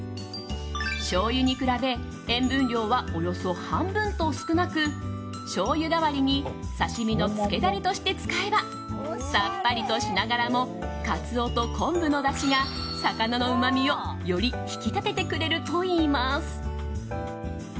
しょうゆに比べ塩分量は、およそ半分と少なくしょうゆ代わりに刺し身のつけダレとして使えばさっぱりとしながらもカツオと昆布のだしが魚のうまみをより引き立ててくれるといいます。